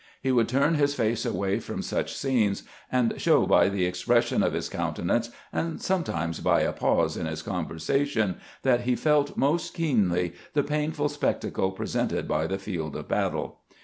He would turn bis face away from such scenes, and show by the expression of his countenance, and sometimes by a pause in his conver sation, that he felt most keenly the painful spectacle presented by the field of battle.